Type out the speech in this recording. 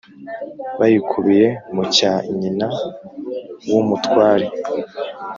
bayikubiye mu cya nyina w úmutware